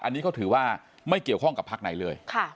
อันนี้เขาถือว่าไม่เกี่ยวข้องกับพักไหนเลย